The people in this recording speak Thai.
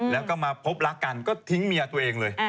แล้วก็มาพบรักกันก็ทิ้งเมียตัวเองเลย